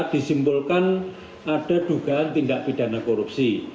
disimpulkan ada dugaan tindak pidana korupsi